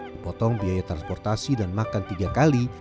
dipotong biaya transportasi dan makan tiga kali